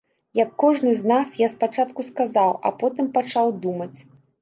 Як кожны з нас, я спачатку сказаў, а потым пачаў думаць.